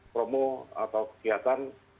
promo atau kegiatan